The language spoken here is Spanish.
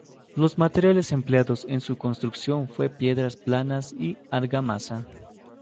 Los materiales empleados en su construcción fue piedras planas y argamasa.